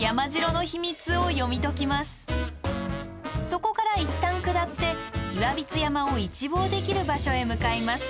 そこからいったん下って岩櫃山を一望できる場所へ向かいます。